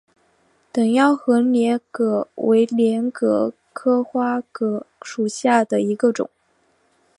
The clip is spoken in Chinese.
等腰横帘蛤为帘蛤科花蛤属下的一个种。